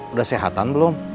udah sehatan belum